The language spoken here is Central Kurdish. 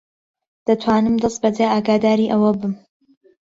دەتوانم دەستبەجێ ئاگاداری ئەوە بم.